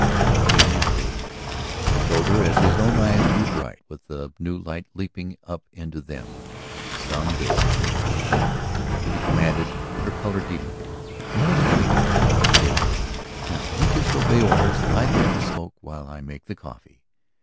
"Virginia Page," he told her as his own eyes grew bright with the new light leaping up into them, "some day ..." "Sh!" she commanded, her color deepened. "Let us wait until that day comes. Now you just obey orders; lie there and smoke while I make the coffee."